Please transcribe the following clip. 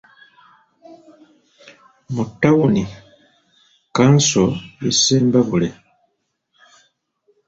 Mu ttawuni kkanso y'e Ssembabule .